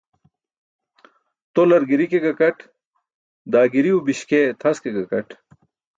Tolar giri ke gakat, daa giriw biśkee tʰas ke gakaṭ.